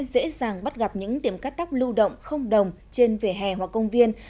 dễ dàng bắt gặp những tiệm cắt tóc lưu động không đồng trên vỉa hè hoặc công viên